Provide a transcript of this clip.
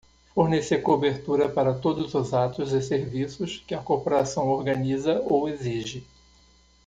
Fornecer cobertura para todos os atos e serviços que a corporação organiza ou exige.